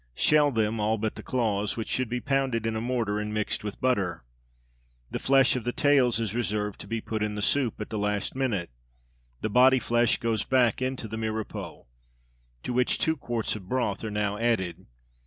Shell them, all but the claws, which should be pounded in a mortar and mixed with butter. The flesh of the tails is reserved to be put in the soup at the last minute; the body flesh goes back into the mirepoix, to which two quarts of broth are now added.